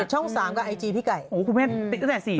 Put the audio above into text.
เกิดช่อง๓กับไอจีพี่ไก่อ๋อคุณแมทติดแต่๔พูดตรงนี้